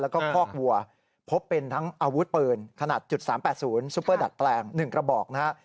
แล้วก็คอกวัวพบเป็นทั้งอาวุธปืนขนาด๓๘๐ซุปเปอร์ดัดแปลง๑กระบอกนะฮะ